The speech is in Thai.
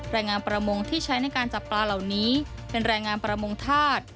แรงงานประมงที่ใช้ในการจับปลาเหล่านี้เป็นแรงงานประมงธาตุ